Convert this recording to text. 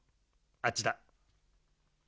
あっちだ。